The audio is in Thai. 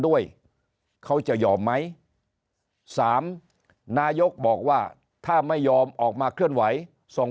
ด้วยเขาจะยอมไหมสามนายกบอกว่าถ้าไม่ยอมออกมาเคลื่อนไหวส่ง